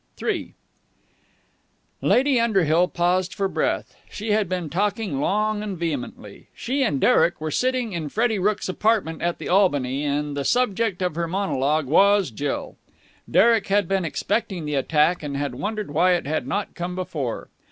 III Lady Underhill paused for breath. She had been talking long and vehemently. She and Derek were sitting in Freddie Rooke's apartment at the Albany, and the subject of her monologue was Jill. Derek had been expecting the attack, and had wondered why it had not come before.